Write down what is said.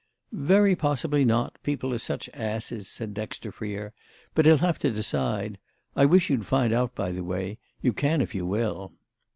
"Very possibly not—people are such asses," said Dexter Freer. "But he'll have to decide. I wish you'd find out, by the way. You can if you will."